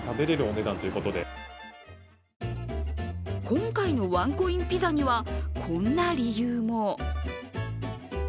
今回のワンコインピザにはこんな理由も。